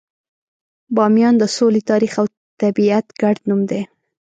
بامیان د سولې، تاریخ، او طبیعت ګډ نوم دی.